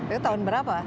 itu tahun berapa